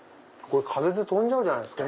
風で飛んじゃうじゃないですか。